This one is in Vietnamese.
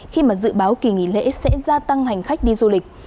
khi mà dự báo kỳ nghỉ lễ sẽ gia tăng hành khách đi du lịch